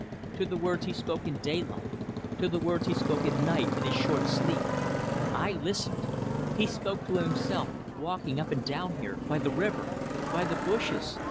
To the words he spoke in daylight; to the words he spoke at night in his short sleep. I listened. He spoke to himself walking up and down here by the river; by the bushes.